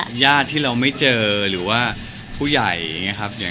ว่าญาติที่เราไม่เจอหรือว่าผู้ใหญ่นะครับ